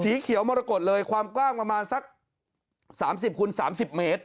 สีเขียวมรกดเลยความกว้างประมาณสักสามสิบคุณสามสิบเมตร